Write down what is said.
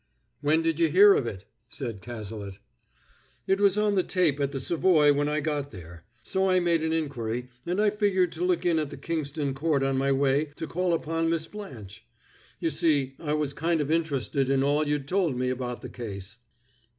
"When did you hear of it?" said Cazalet. "It was on the tape at the Savoy when I got there. So I made an inquiry, and I figured to look in at the Kingston Court on my way to call upon Miss Blanche. You see, I was kind of interested in all you'd told me about the case."